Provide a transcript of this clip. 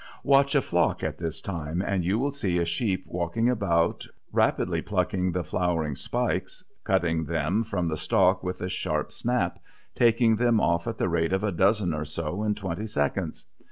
Watch a flock at this time, and you will see a sheep walking about, rapidly plucking the flowering spikes, cutting them from the stalk with a sharp snap, taking them off at the rate of a dozen or so in twenty seconds.